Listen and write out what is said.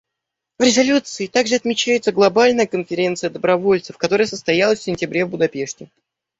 В резолюции также отмечается Глобальная конференция добровольцев, которая состоялась в сентябре в Будапеште.